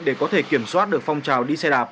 để có thể kiểm soát được phong trào đi xe đạp